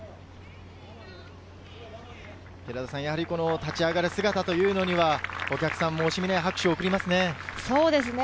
立ち上がる姿というのはお客さんも惜しみない拍手を送りますね。